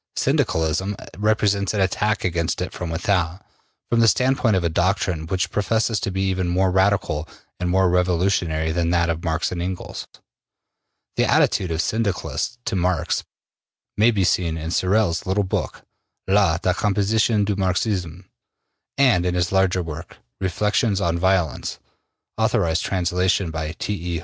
Syndicalism represents an attack against it from without, from the standpoint of a doctrine which professes to be even more radical and more revolutionary than that of Marx and Engels. The attitude of Syndicalists to Marx may be seen in Sorel's little book, ``La Decomposition du Marxisme,'' and in his larger work, ``Reflections on Violence,'' authorized translation by T. E.